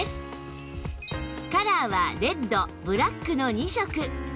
カラーはレッドブラックの２色